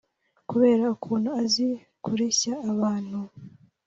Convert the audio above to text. Kubera ukuntu azi kureshya abantu